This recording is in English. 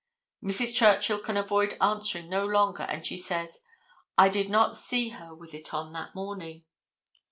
Mrs. Churchill can avoid answering no longer, and she says, "I did not see her with it on that morning."